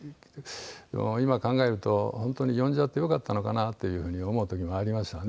今考えると本当に呼んじゃってよかったのかなという風に思う時もありましたね。